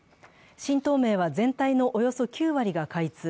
新東名は全体のおよそ９割が開通。